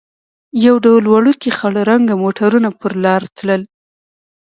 یو ډول وړوکي خړ رنګه موټرونه پر لار تلل.